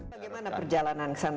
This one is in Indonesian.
bagaimana perjalanan ke sana